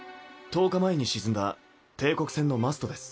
１０日前に沈んだ帝国船のマストです。